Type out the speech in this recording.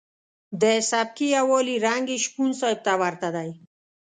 د سبکي یوالي رنګ یې شپون صاحب ته ورته دی.